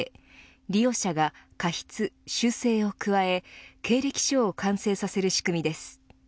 利用者が加筆、修正を加え経歴書を完成させる仕組みです。